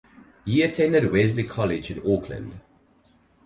He attended Wesley College in Auckland.